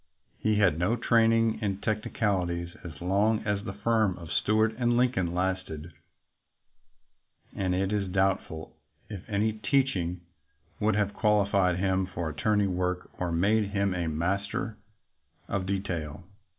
He had no training in technicalities as long as the firm of Stuart & Lincoln lasted, and it is doubtful if any teaching would have qualified him for attorney work or made him a master of detail.